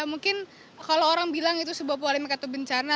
mungkin kalau orang bilang itu sebuah polemik atau bencana